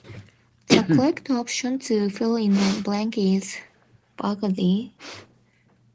The correct option to fill in the blank is "burglarizing".